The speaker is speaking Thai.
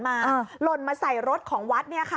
หล่นมาใส่รถของวัด